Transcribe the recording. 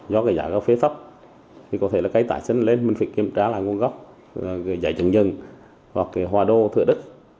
do cái giá cà phê thấp thì có thể là cái tài sản lên mình phải kiểm tra là nguồn gốc cái giải trưởng dân hoặc cái hòa đô thừa đất